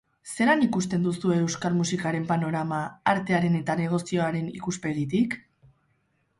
Zelan ikusten duzue euskal musikaren panorama, artearen eta negozioaren ikuspegitik?